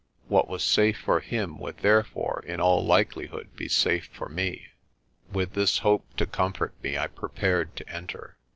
What was safe for him would therefore in all likelihood be safe for me. With this hope to comfort me I prepared to enter.